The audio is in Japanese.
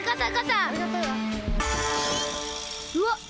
うわっ！